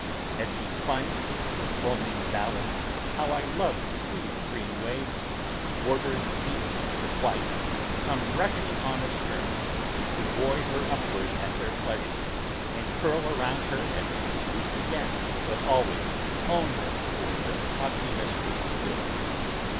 As she plunged into a foaming valley, how I loved to see the green waves, bordered deep with white, come rushing on astern, to buoy her upward at their pleasure, and curl about her as she stooped again, but always own her for their haughty mistress still!